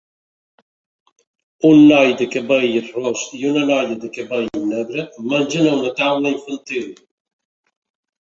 Un noi de cabell ros i una noia de cabell negre mengen a una taula infantil.